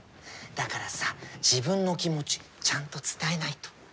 だからさ自分の気持ちちゃんと伝えないと。